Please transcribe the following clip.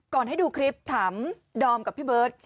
ให้ดูคลิปถามดอมกับพี่เบิร์ต